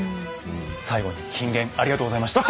最後に金言ありがとうございました。